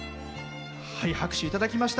拍手いただきました